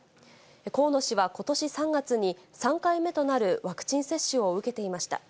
河野氏はことし３月に、３回目となるワクチン接種を受けていました。